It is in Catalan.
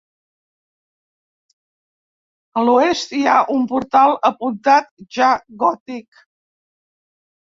A l'oest hi ha un portal apuntat, ja gòtic.